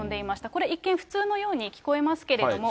これ、一見普通のように聞こえますけれども。